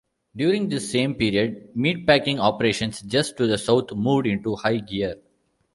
During this same period, meatpacking operations just to the south moved into high gear.